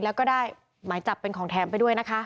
แล้วก็ได้หมายจับเป็นของแถมไปด้วยนะคะ